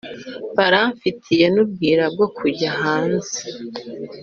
baramfitiye n’ubwira bwo kujya hanze